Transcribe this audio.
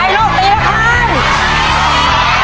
เดี๋ยวนี้